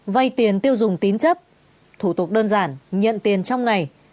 vay tiền tiêu dùng tín chấp thủ tục đơn giản nhận tiền trong ngày